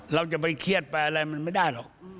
เราจะไปเครียดไปอะไรมันไม่ได้หรอก